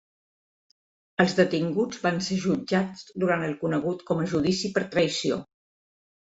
Els detinguts van ser jutjats durant el conegut com a Judici per Traïció.